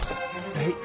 はい。